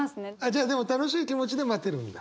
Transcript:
じゃあでも楽しい気持ちで待てるんだ。